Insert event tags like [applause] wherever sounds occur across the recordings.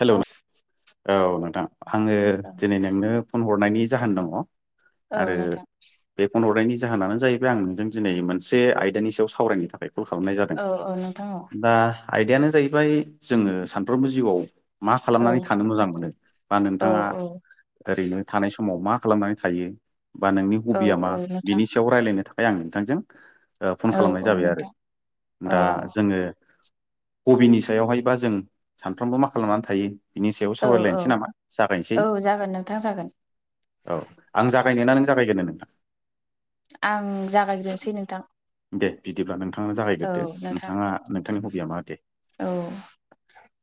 हेल' औ औ नोंथां आङो दिनै नोंनो फन हरनायनि जाहोन दङ औ आरो नोंथां बे फन हरनायनि जाहोनानो जाहैबाय आं नोंजों दिनै मोनसे आयदानि सायाव सावरायनो थाखाय। कल खालामनाय जादों औ औ नोंथां औ दा आयदायानो जाहैबाय जोङो सानफ्रोमबो जिउआव मा औ खालामनानै थानो मोजां मोनो बा औ नोंथाङा ओरैनो थानाय समाव मा खालामनानै थायो बा नोंनि औ हबिया मा औ नोंथां बिनि सायाव रायलायनो थाखाय आं नोंथांजों फन औ खालामनाय औ जाबाय आरो नोंथां औ दा जोङो हबिनि सायावहायबा जों सानफ्रोमबो मा खालामनानै थायो। बिनि सायाव औ औ सावरायलायनोसै नामा जागायनोसै। औ जागोन नोंथां जागोन औ आं जागायनो ना नों जागायग्रोननो नोंथां। आं जागायग्रोनोसै नोंथां। नोंथांनो औ जागायग्रोदो नोंथां नोंथाङा नोंथांनि हबिया मा दे। औ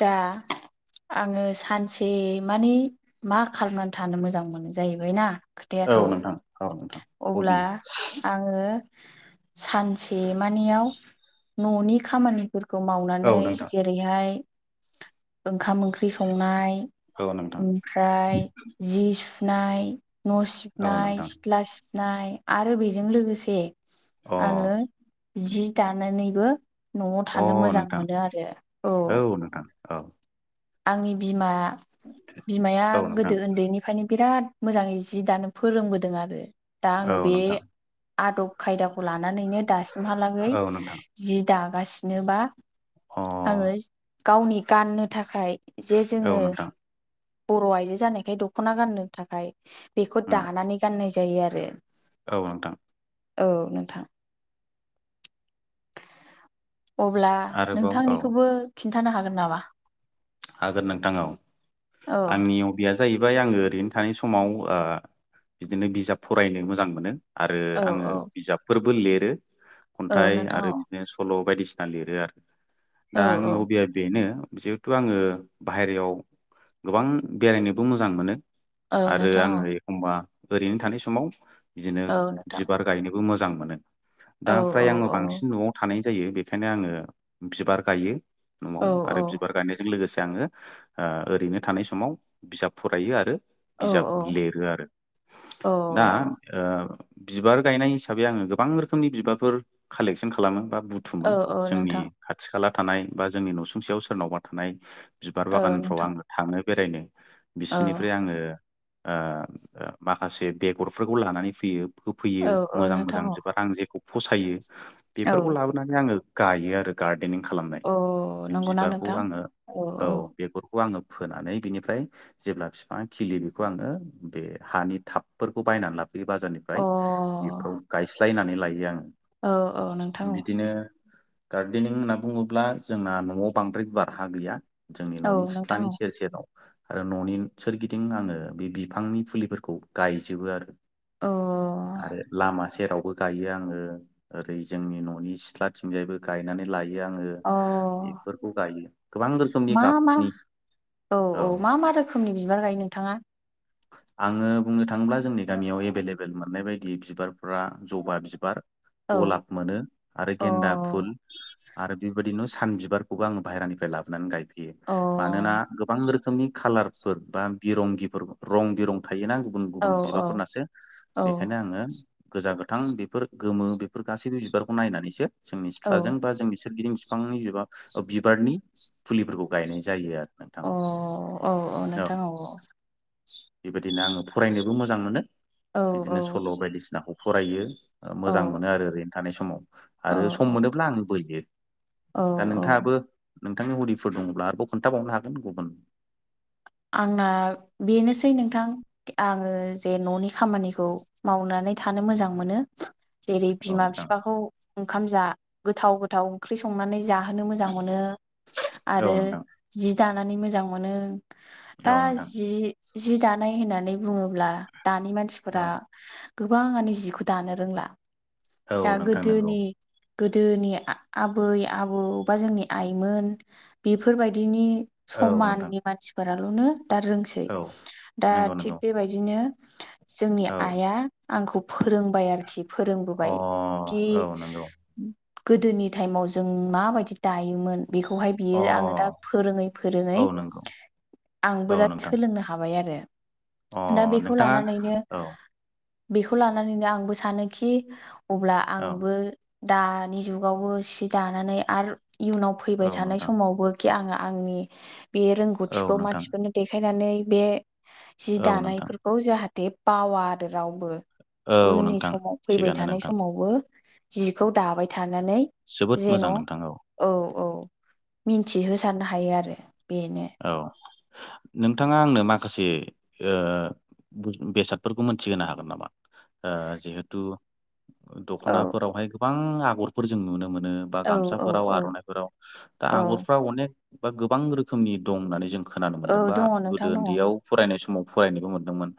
दा आङो सानसे माने मा खालामनानै थानो मोजां मोनो जाहैबाय ना। औ नोंथां। औ नोंथां अब्ला हबि आङो। सानसे मानियाव न'नि खामानि। फोरखौ औ मावनानै नोंथां जेरैहाय ओंखाम ओंख्रि संनाय औ नोंथां ओमफ्राय जि सु सिबनाय न' औ सिबनाय नोंथां सिथ्ला सिबनाय आरो बेजों लोगोसे अ आङो जि दानानैबो न'आव अ थानो मोजां नोंथां मोनो आरो औ। औ। आंनि बिमा बिमाया औ गोदो नोंथां उन्दैनिफ्रायनो बिराद मोजाङै जि दानो फोरोंबोदों आरो दा आङो औ बे नोंथां आदब खायदाखौ लानानै लानानैनो दासिमहालागै औ नोंथां जि दागासिनोबा आङो अ गावनि गाननो थाखाय जे औ जोङो। नोंथां बर' आइजो जानायखाय दख'ना गाननो थाखाय बेखौ उम दानानै गाननाय जायो आरो। औ नोंथां। औ नोंथां। अब्ला आरोबाव औ नोंथांनिखौबो खिन्थानो हागोन नामा। हागोन नोंथांव औ औ आंनि हबिया जाहैबाय आङो ओरैनो थानाय समाव बिदिनो बिजाब फरायनो मोजां मोनो। आरो औ आङो औ बिजाबफोरबो लिरो औ खन्थाइ नोंथां आरो औ बिदिनो सल'। बायदिसिना लिरो आरो औ दा आंनि औ हबिया बेनो जिहेथु। आङो बाहेरायाव गोबां बेरायनोबो मोजां मोनो। औ आरो नोंथां आङो औ एखमबा ओरैनो थानाय समाव बिदिनो औ नोंथां बिबार गायनो। मोजां मोनो दा औ आमफ्राय औ आङो औ बांसिन न'आव थानाय जायो बेनिखायनो आो बिबार गायो न'आव औ आरो औ बिबार गायनाय। लोगोसे आङो ओरैनो थानाय समाव बिजाब फरायो आरो। औ बिजाब लिरो आरो औ दा बिबार गायनाय हिसाबै आङो गोबां रोखोमनि बिबारफोर कालेक्सन खालामो बा औ बुथुमो औ जोंनि नोंथां खाथि खाला थानाय बा जोंनि न'सुंसेयाव सोरनावबा थानाय बिबार औ बागानफ्राव नोंथां आङो थाङो बेरायनो औ बिसिनिफ्राय आङो माखासे बेगरफोरखौ लानानै फैयो होफैयो औ औ मोजां नोंथां मोजां औ बिबार आं जेखौ फसायो औ बेफोरखौ लाबोनानै आङो गायो आरो गार्देनिं खालामनाय अ बिबारखौ आङो औ बेगरखौ आङो फोनानै बिनिफ्राय जेब्ला बिफाङा खिलि बेखौ आङो बे हानि थाबफोरखौ बायनानै लाबोबाय बे अ बाजारनिफ्राय बेफोराव गायस्लायनानै लायो आङो औ औ नोंथां बिदिनो गार्देनिं होनना बुङोब्ला जोंना न'आव बांद्राय गुवार हा गैया जोंनि न'नि औ नोंथां सिथ्लानि औ सेर सेराव आरो न'नि सोरगिदिं आङो बे बिफांनि फुलिफोरखौ गायजोबो आरो अ आरो लामा सेराव बो गायो आङो ओरै जोंनि न'नि सिथ्लाथिंजायबो गायनानै लायो। आङो अ बेफोरखौ गायो। गोबां रोखोमनि मा मा गाबनि औ औ मा मा रोखोमनि बिबार गायो नोंथाङा? [inaudible] आङो बुंनो थाङोब्ला जोंनि गामियाव एभेलेबेल मोननाय बायदि बिबारफ्रा जबा बिबार औ गलाब मोनो आरो अ गेन्दा फुल आरो बेबायदिनो सान बिबारखौबो आङो बाहेरानिफ्राय लाबोनानै गायफैयो अ मानोना औ गोबां रो खोमनि खालारफोर बा बिरंगिफोर रं बिरं थायोना गुबुन औ गुबुन औ बिबारफोरनासो बेखायनो आङो गोजा गोथां बेफोर गोमो बेफोर गासैबो बिबारखौ नायनानैसो जोंनि औ सिख्थाजों बा जोंनि सोरगिदिं बिफांनि बिबा बिबारनि फुलिफोरखौ गायनाय जायो आरो नोंथां औ औ औ नोंथां औ बेबायदिनो आङो फरायनोबो मोजां मोनो औ बिदिनो सल' बायदिसिना खौ फरायो औ मोजां मोनो आरो ओरैनो थानाय समाव औ आरो सम मोनोब्ला आं बोयो औ दा औ नोंथाङाबो नोंथांनि हबिफोर दङब्ला आरोबाव खोन्थाबावनो हागोन गुबुन आंना बेनोसै नोंथां आङो जे न'नि खामानिखौ मावना नै थानो मोजां मोनो। जेरै औ बिमा नोंथां फिफाखौ ओंखाम जा गोथाव गोथाव ओंख्रि संनानै जा होनो मोजां मोनो औ आरो नोंथां जि दानानै मोजां मोनो। दा औ नोंथां जि जि दानाय होननानै बुङोब्ला दानि मानसिफोरा औ गोबाङानो जिखौ दानो रोंला औ दा नोंथां नंगौ गोदोनि गोदोनि आबै आबौ बा जोंनि आइमोन बेफोरबायदिनि औ नोंथां समाननि मानसिफोराल'नो दा रोंसै औ दा नंगौ नंगौ थिग बेबायदिनो जोंनि औ आइआ आंखौ फोरोंबाय आरोखि अ फोरोंबोबाय औ कि नंगौ गोदोनि टाइमाव जों माबायदि दायोमोन। बेखौहाय अ बियो आङो दा फोरोङै फोरोङै औ नंगौ आंबो औ दा नोंथां सोलोंनो हाबाय आरो अ दा बेखौ नोंथाङा लानानैनो औ बेखौ लानानैनो आंबो सानोखि अब्ला औ आंबो दानि जुगावबो सि दानानै आरो इयुनाव फैबाय औ थानाय नोंथां समावबो खि आंहा आंनि बे औ रोंगौथिखौ नोंथां मानसिफोरनो देखायनानै बे जि औ नोंथां दानायफोरखौ जाहाथे बावा आरो रावबो औ उननि नोंथां समाव फैबाय थिगानो थानाय स नोंथां बो जिखौ दाबाय थागोन। दानानै जोबोद जेन' मोजां नोंथां औ औ मिथिहोसै जानो हायो आरो बेनो। औ नोंथाङा आंनो माखासे ओ बु-बेसादफोरखौ मोनथिहोनो हागोन नामा जिहेथु औ दख'नाफोरावहाय गोबां आगरफोर जों नुनो मो नो बा औ औ गामसाफोराव औ आरनाय फोराव दा औ आगरफोरा अनेक बा गोबां रो खोमनि दं होननानै जों खोनानो औ मोनदों बा दङ नोंथां गोदो दङ औ ओन्दैयाव फरायनाय समाव फरायनोबो मोनदोंमोन।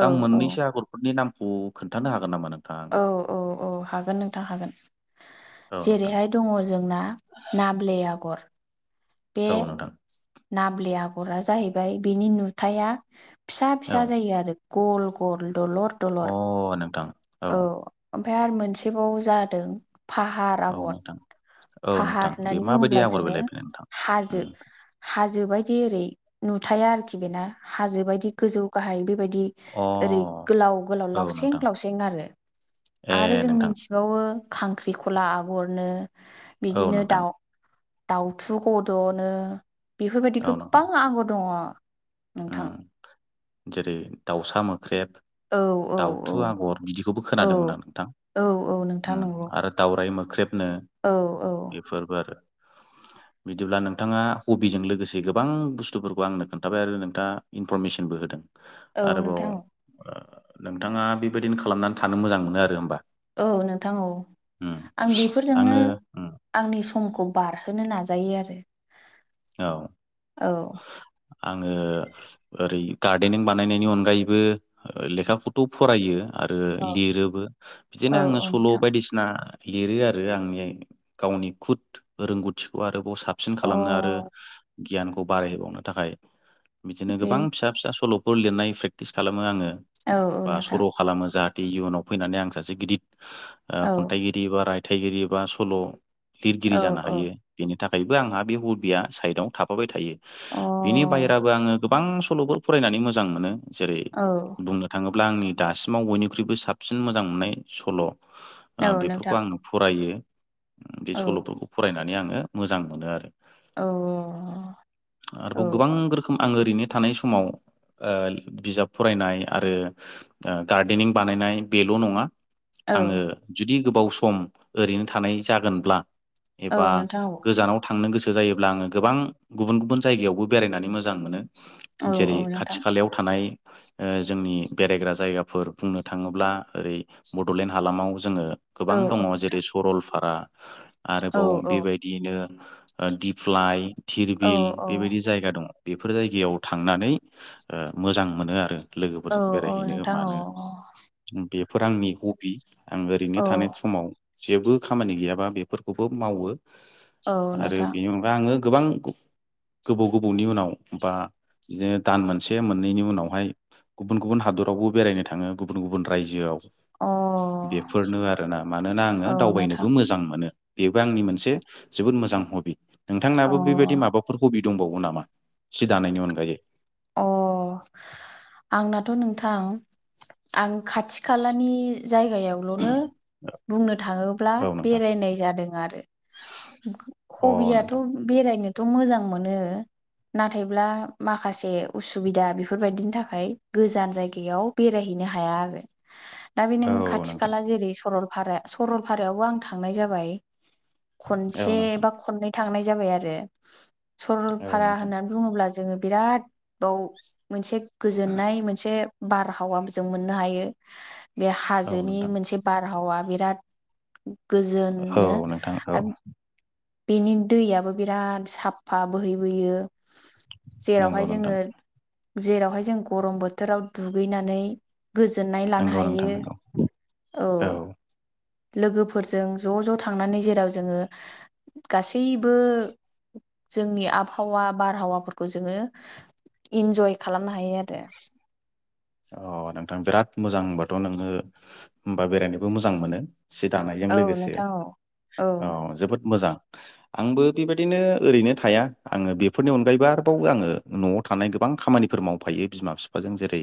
औ मोननैसो आगरफोरनि नामखौ खोन्थानो हागोन नामा नों? औ औ औ हागोन नोंथां हागोन। आंनो जेरैहाय दङ जोंना नाब्ले आगर बे औ नोंथां नाब्ले आगरा जाहैबाय बेनि नुथाया फिसा फिसा जायो आरो गल गल दलर दलर औ नोंथां औ ओमफ्राय आरो मोनसेबाव जादों फाहार अ नोंथां औ आगर नोंथां औ नोंथां फाहार बे होननानै माबायदि बुङोब्ला आगर जोङो बेलाय बे नोंथां हाजो उम हाजो बायदि ओरै नुथाइया आरोखि बेना हाजो बायदि गोजौ गाहाय बेबायदि अ बिदि ओरै गोलाव गोलाव औ लावसेें नोंथां लावसें आरो ए आरो जों नोंथां मिथिबावो खांख्रिखला आगरनो औ बिदिनो नोंथां दाउ दाउथु गद'नो बेफोरबायदि औ नोंथां गोबां आगर दङ नोंथां उम जेरै दाउसा मो ख्रेब औ औ औ दाउथु आगर बिदिखौबो औ खोनादोंमोन आं नोंथां औ औ नोंथां ओम नंगौ आरो दावराय मोख्रेबनो औ औ बेफोरबो आरो बिदिब्ला नोंथाङा हबिजों लोगोसे गोबां बुस्थुफोरखौ आंनो खोन्थाबाय आरो नों दा इनफरमेसनबो होदों औ आरोबाव नोंथां औ नोंथाङा बेबायदिनो खालामनानै थानो मोजां मोनो आरो होमबा औ नोंथां औ उम आं बेफोरजोंनो आङो उम आंनि समखौ बारहोनो नाजायो आरो औ औ आङो ओरै गार्देनिं बानायनायनि अनगायैबो लेखाखौथ' फरायो आरो औ लिरोबो औ बिदिनो आङो औ सल' नोंथां बायदिसिना लिरो आरो आंनि गावनि खुद रोंगौथिखौ आरोबाव साबसिन अ खालामनो आरो गियानखौ बारायहोबावनो थाखाय बिदिनो बे गोबां फिसा फिसा सल'फोर लिरनाय प्रेकटिस खालामो आङो औ औ बा नोंथां सर' खालामो जाहाथे इयुनाव फैनानै आं सासे गिदिर औ खन्थाइगिरि बा रायथाइगिरि बा सल' औ लिरगिरि जानो औ हायो अ बेनि नि थाखायबो आंहा बे हबिया साइडआव थाफाबाय थायो औ बिनि बायेराबो आङो गोबां सल'बो फरायनानै मोजां मोनो जेरै बुंनो थाङोब्ला आंनि दासिमाव बयनिख्रुइबो साबसिन मोजां मोननाय सल' औ नोंथां बेफोरखौ आङो फरायो बे औ सल'फोरखौ फरायनानै आङो मोजां मोनो आरो औ औ आरोबाव गोबां रोखोम आं ओरैनो थानाय समाव ओ बिजाब फरायनाय आरो गार्देनिं बानायनाय बेल' नङा औ आङो जुदि गोबाव सम ओरैनो थानाय जागोनब्ला औ एबा नोंथां औ गोजानाव थांनो गोसो जायोब्ला आङो गोबां गुबुन गुबुन जायगायावबो बेरायनानै मोजां मोनो औ जेरै औ खाथि नोंथां खालायाव थानाय जोंनि बेरायग्रा जायगाफोर बुंनो थाङोब्ला ओरै बड'लेण्ड हालामाव जोङो औ गोबां दङ औ जेरै नोंथां सरलपारा औ आरोबाव औ बेबायदियैनो दिप्लाय औ धिरबिल बेबायदि जायगा दङ बेफोर जायगायाव थांनानै मोजां मोनो आरो औ लोगोफोरजों औ बेरायहैनो नोंथां औ मानो बेफोर आंनि हबि आं औ ओरैनो थानाय समाव जेबो खामानि गैयाबा बेफोरखौबो मावो औ आरो नोंथां बेनि अनगा आङो गोबां गोबौ गोबौनि उनाव बा बिदिनो दान मोनसे मोननैनि उनावहाय गुबुन गुबुन हादरावबो बेरायनो थाङो गुबुन गुबुन रायजोआव अ बेफोरनो आरोना मानोना आङो औ नोंथां दावबायनोबो मोजां मोनो बेबो आंनि मोनसे जोबोद मोजां हबि अ नोंथांनाबो बेबायदि माबाफोर हबि दंबावो नामा सि दानायनि अनगायै अ आंनाथ नोंथां आं खाथि खालानि जायगायावल नो बुंनो थाङोब्ला औ नोंथां बेरायनाय जादों आरो अ हबियाथ नोंथां बेरायनो बो मोजां मोनो नाथायब्ला माखासे उसुबिदा बेफोरबायदिनि थाखाय गोजान जायगायाव बेरायहैनो हाया आरो दा बे औ नों खाथि नोंथां खाला जेरै सरलपाराया सरलपारायावबो आं थांनाय जाबाय औ खनसे नोंथां बा खननै थांनाय जाबाय आरो औ सरलपारा नोंथां होननानै बुङोब्ला जोङो बिराद औ मोनसे गोजोननाय मोनसे बारहावा जों मोननो हायो बे औ हाजोनि नोंथां मोनसे बारहावा बिराद औ गोजोनो नोंथां औ आरो बेनि दैयाबो बिराद साफा बोहैबोयो नंगौ जेरावहाय नोंथां जोङो जेरावहाय जों गरम बोथोराव दुगैनानै गोजोननाय लानो नंगौ हायो नोंथां नंगौ औ लोगोफोरजों ज ज थांनानै जेराव जोङो गासैबो जोंनि आभावा बारहावाफोरखौ जोङो इन्जय खालामनो हायो आरो अ नोंथां बिराद मोजां होनबाथ नोङो होमबा बेरायनोबो मोजां मोनो सि दानायजों औ लोगोसे नोंथां औ अ औ जोबोद मोजां आंबो बेबायदिनो ओरैनो थाया आङो बेफोरनि अनगायैबो आरोबाव आङो न'आव थानाय गोबां खामानिफोर मावफायो बिमा फिफाजों जेरै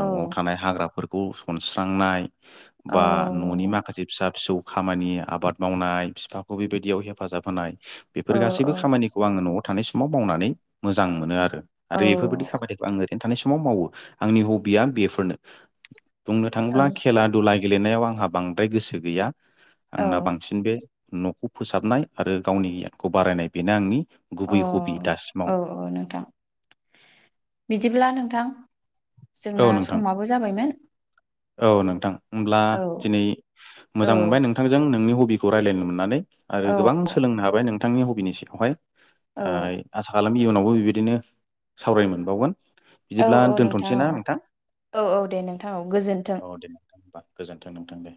न'आव औ थानाय हाग्राफोरखौ सनस्रांनाय औ बा न'नि माखासे फिसा फिसौ खामानि आबाद मावनाय बिफाखौ बेबायदियाव हेफाजाब होनाय औ बेफोर गासैबो खामानिखौ आङो न'आव थानाय समाव मावनानै मोजां मोनो आरो आरो एफोरबायदि खामानिखौ आं ओरैनो थानाय समाव मावो आंनि हबिया बेफोरनो बुंनो थाङोब्ला खेला दुला गेलेनायाव आंहा बांद्राय गोसो गैया औ आंना बांसिन बे न'खौ फोसाबनाय आरो गावनि गियानखौ बारायनाय बेनो आंनि अ गुबै हबि दासिमाव औ औ नोंथां बिदिब्ला नोंथां औ जोंना नोंथां समाबो जाबायमोन औ नोंथां होमब्ला औ दिनै मोजां औ मोनबाय नोंथांजों नोंनि हबिखौ रायज्लायनो मोननानै आरो औ गोबां सोलोंनो हाबाय नोंथांनि हबिनि सिङावहाय औ ओ आसा खालामो नि उनावबो बिदिनो सावरायनो मोनावगोन औ बिदिब्ला औ दथ'नो- औ सैना नोंथां औ औ दे नोंथां औ गोजोन्थों। औ दे नोंथां होमबा गोजोन्थों नोंथां दे